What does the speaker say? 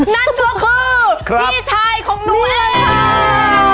นั่นก็คือพี่ชายของนุ้มแอลค่ะ